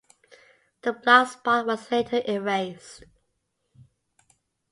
The blogspot was later erased.